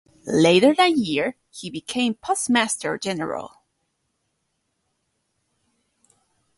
Later that year, he became Postmaster-General.